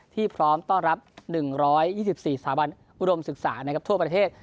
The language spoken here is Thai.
พร้อมต้อนรับ๑๒๔สถาบันอุดมศึกษาทั่วประเทศ